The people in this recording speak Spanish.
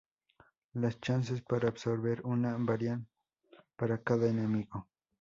Las chances para absorber una varían para cada enemigo.